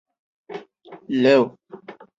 芸香科柑橘类等。